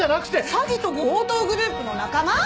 詐欺と強盗グループの仲間？